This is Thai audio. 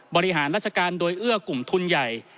บริหารราชการโดยเอื้อกลุ่มทุนใหญ่